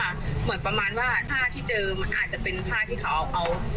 เหมือนประมาณว่าผ้าที่เจอมันอาจจะเป็นผ้าที่เขาเอา